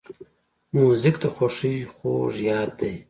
موزیک د خوښۍ خوږ یاد دی.